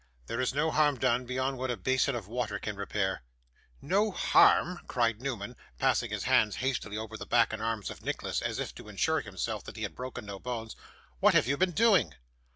'There is no harm done, beyond what a basin of water can repair.' 'No harm!' cried Newman, passing his hands hastily over the back and arms of Nicholas, as if to assure himself that he had broken no bones. 'What have you been doing?